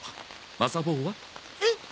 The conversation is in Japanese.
マサ坊は？えっ？